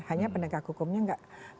hanya pendegah hukumnya nggak jalan